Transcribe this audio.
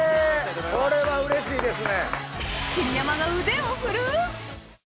これはうれしいですね。